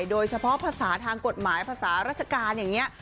โดยเฉพาะภาษาทางกฎหมายภาษาราชการอย่างนี้